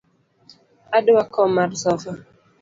Adwa kom mar sofa.